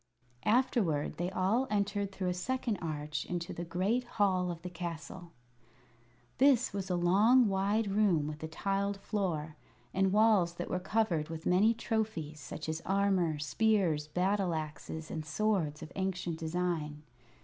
Afterward they all entered through a second arch into the great hall of the castle. This was a long, wide room with a tiled floor, and walls that were covered with many trophies, such as armor, spears, battle axes, and swords of ancient design.